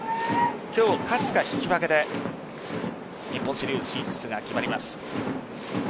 今日勝つか引き分けで日本シリーズ進出が決まります。